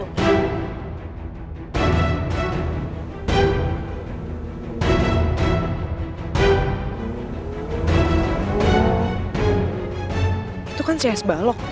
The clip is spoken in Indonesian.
itu kan si es balok